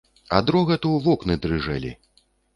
А ад рогату вокны дрыжэлі.